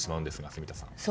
住田さん。